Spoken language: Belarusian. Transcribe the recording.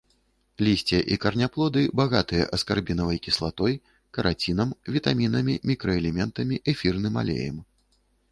Лісце і караняплоды багатыя аскарбінавай кіслатой, карацінам, вітамінамі, мікраэлементамі, эфірным алеем.